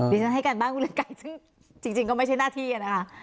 ฉันให้การบ้านคุณเรืองไกรซึ่งจริงก็ไม่ใช่หน้าที่นะคะ